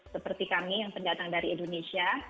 seperti kami yang pendatang dari indonesia